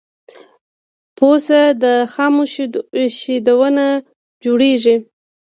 پوڅه د خامو شیدونه جوړیږی.